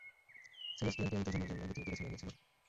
Celestial তিয়ামুতের জন্মের জন্য পৃথিবীতে বেছে নেওয়া হয়েছিলো।